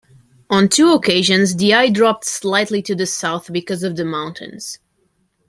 On two occasions the eye dropped slightly to the south because of the mountains.